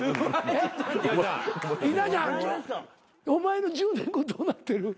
稲ちゃんお前の１０年後どうなってる？